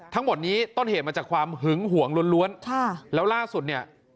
ทั้งหมดนี้ต้นเหตุมาจากความหึงห่วงล้วนล้วนค่ะแล้วล่าสุดเนี่ย